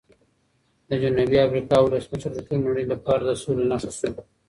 د جنوبي افریقا ولسمشر د ټولې نړۍ لپاره د سولې نښه شو.